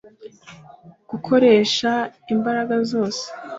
gukoresha imbaraga zose